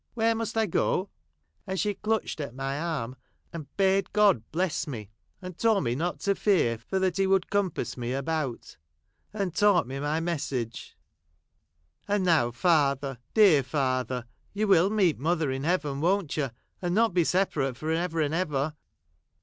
Where must. I go 1 ' And she clutched at my arm ; and bade God bless 334 HOUSEHOLD WORDS. fConductcd by me ; and told me not to fear, for that He would compass me about ; and taught me my message : and now, Father, dear Father, you \vill meet mother in Heaven, won't you — and not be separate for ever and ever